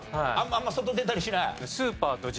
あんま外出たりしない？